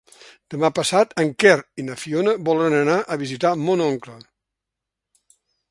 Demà passat en Quer i na Fiona volen anar a visitar mon oncle.